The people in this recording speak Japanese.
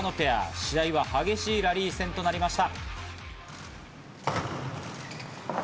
試合は激しいラリー戦となりました。